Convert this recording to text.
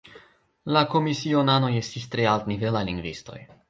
La komisionanoj estis tre altnivelaj lingvistoj.